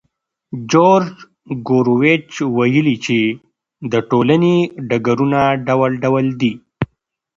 جورج ګوروویچ ویلي چې د ټولنې ډګرونه ډول ډول دي.